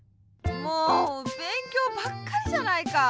もうべんきょうばっかりじゃないか。